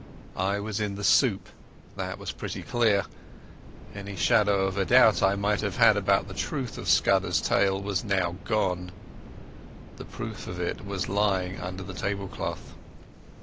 I was in the soup—that was pretty clear. Any shadow of a doubt I might have had about the truth of Scudder's tale was now gone. The proof of it was lying under the table cloth.